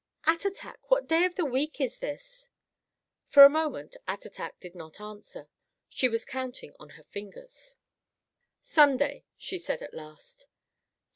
"Attatak, what day of the week is this?" For a moment Attatak did not answer. She was counting on her fingers. "Sunday," she said at last.